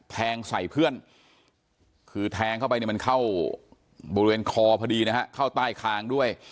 แทงใส่เพื่อนคือแทงเข้าไปเนี่ยมันเข้าบริเวณคอพอดีนะฮะเข้าใต้คางด้วย